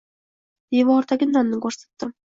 Devordagi nonni ko‘rsatdim.